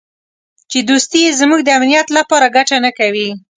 چې دوستي یې زموږ د امنیت لپاره ګټه نه کوي.